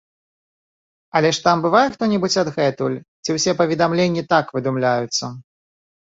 Але ж там бывае хто-небудзь адгэтуль ці ўсе паведамленні так выдумляюцца?